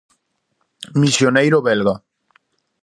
Misioneiro belga.